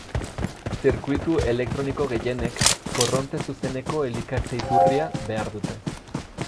Zirkuitu elektroniko gehienek korronte zuzeneko elikatze-iturria behar dute.